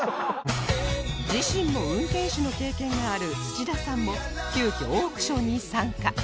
自身も運転手の経験がある土田さんも急きょオークションに参加